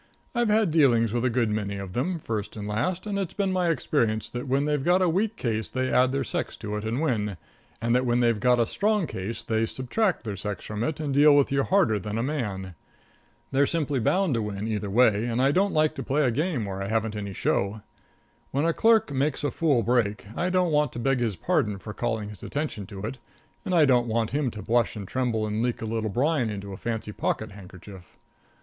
I've had dealings with a good many of them, first and last, and it's been my experience that when they've got a weak case they add their sex to it and win, and that when they've got a strong case they subtract their sex from it and deal with you harder than a man. They're simply bound to win either way, and I don't like to play a game where I haven't any show. When a clerk makes a fool break, I don't want to beg his pardon for calling his attention to it, and I don't want him to blush and tremble and leak a little brine into a fancy pocket handkerchief.